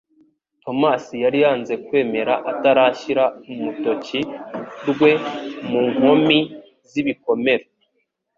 Tomasi yari yanze kwemera atarashyira umtoki rwe mu nkomi z'ibikomere